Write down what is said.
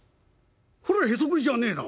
こりゃへそくりじゃねえな。